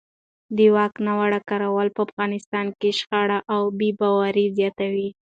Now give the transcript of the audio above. د واک ناوړه کارول په افغانستان کې شخړې او بې باورۍ زیاتوي